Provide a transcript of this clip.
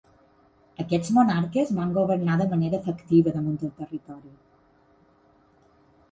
Aquests monarques van governar de manera efectiva damunt el territori.